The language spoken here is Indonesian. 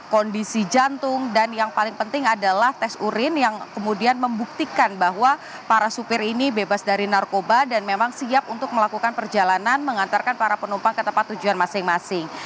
kondisi jantung dan yang paling penting adalah tes urin yang kemudian membuktikan bahwa para supir ini bebas dari narkoba dan memang siap untuk melakukan perjalanan mengantarkan para penumpang ke tempat tujuan masing masing